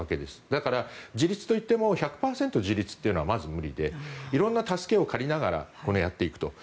だから、自立といっても１００％自立というのはまず無理で色んな助けを借りながらやっていくと。